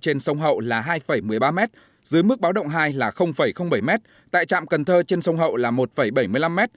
trên sông hậu là hai một mươi ba m dưới mức báo động hai là bảy m tại trạm cần thơ trên sông hậu là một bảy mươi năm m